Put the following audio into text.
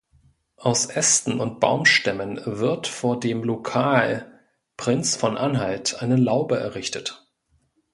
Aus Ästen und Baumstämmen wird vor dem Lokal „Prinz von Anhalt“ eine Laube errichtet.